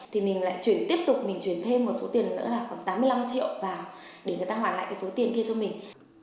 thì mình lại chuyển tiếp tục mình chuyển thêm một số tiền nữa là khoảng tám mươi năm triệu vào để người ta hoàn lại cái số tiền kia cho mình